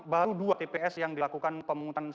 baru dua tps yang dilakukan pemungutan